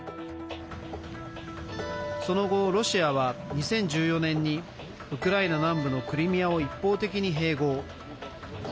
その後、ロシアは２０１４年にウクライナ南部のクリミアを一方的に併合。